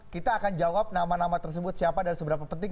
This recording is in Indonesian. kita akan jawab nama nama tersebut siapa dan seberapa penting